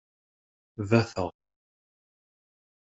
Bateɣ.